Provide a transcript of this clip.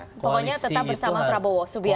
pokoknya tetap bersama prabowo subianto